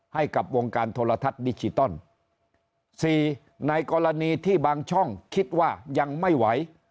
ให้กับวงการโทรทัศน์ดิจิตอลสี่ในกรณีที่บางช่องคิดว่ายังไม่ไหว